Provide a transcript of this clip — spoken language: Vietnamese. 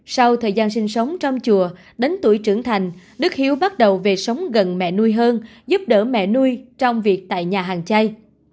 sau thời gian sinh sống trong chùa đến tuổi trưởng thành đức hiếu bắt đầu về sống gần mẹ nuôi hơn giúp đỡ mẹ nuôi trong việc tại nhà hàng chay